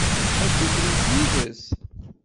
Ad dduklent yid-s?